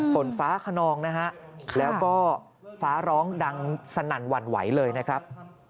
ฝนฟ้าคนองและฟ้าร้องดังสนั่นหวั่นไหวเลยนะครับ